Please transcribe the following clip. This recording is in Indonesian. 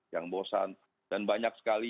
yang bosan dan banyak sekali